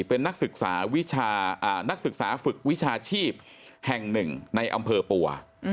เป็นนักศึกษาฝึกวิชาชีพแห่งหนึ่งในอำเภอปั่ว